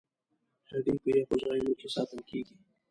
هګۍ په یخو ځایونو کې ساتل کېږي.